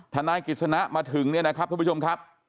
ทนายกิจสนะมาถึงเนี่ยนะครับท่านผู้ชมครับ